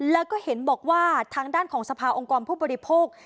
แล้วก็เห็นบอกว่าทางด้านของสภาองค์กรผู้บริโภค